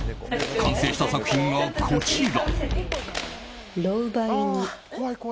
完成した作品が、こちら。